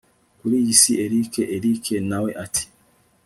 kuriyi si erick erick nawe ati